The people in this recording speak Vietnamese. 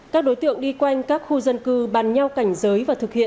các đối tượng đi quanh các khu dân cư bàn nhau cảnh giới